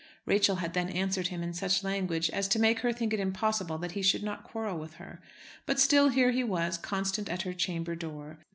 Rachel had then answered him in such language as to make her think it impossible that he should not quarrel with her; but still here he was, constant at her chamber door.